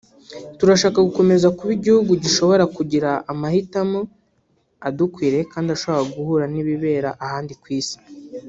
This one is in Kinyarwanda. turashaka gukomeza kuba igihugu gishobora kugira amahitamo adukwiriye kandi ashobora guhura n’ibibera ahandi ku Isi